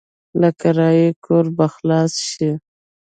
له کرايه کوره به خلاص شې.